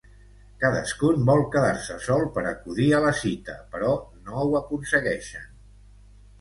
Cadascun vol quedar-se sol per acudir a la cita, però no ho aconsegueixen.